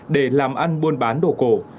để làm ăn buôn bán đồ cổ